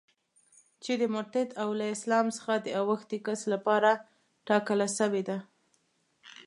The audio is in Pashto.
چي د مرتد او له اسلام څخه د اوښتي کس لپاره ټاکله سوې ده.